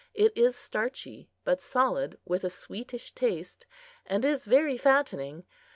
It is starchy but solid, with a sweetish taste, and is very fattening.